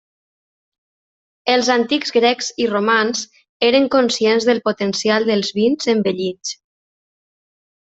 Els antics grecs i romans eren conscients del potencial dels vins envellits.